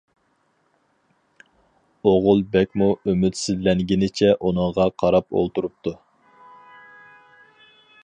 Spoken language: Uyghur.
ئوغۇل بەكمۇ ئۈمىدسىزلەنگىنىچە ئۇنىڭغا قاراپ ئولتۇرۇپتۇ.